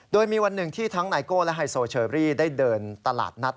โดยมีวันหนึ่งที่ทั้งไนโก้และไฮโซเชอรี่ได้เดินตลาดนัด